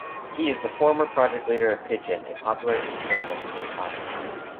He is the former project leader of Pidgin, a popular instant messaging client.